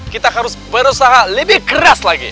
kita harus berusaha lebih keras lagi